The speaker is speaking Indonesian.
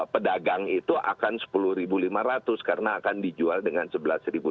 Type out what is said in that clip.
pedagang itu akan rp sepuluh lima ratus karena akan dijual dengan rp sebelas lima ratus